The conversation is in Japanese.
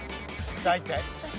大体。